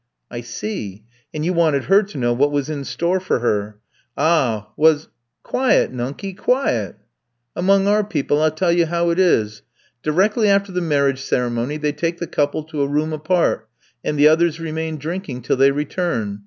"I see, and you wanted her to know what was in store for her. Ah, was ?" "Quiet, nunky, quiet! Among our people I'll tell you how it is; directly after the marriage ceremony they take the couple to a room apart, and the others remain drinking till they return.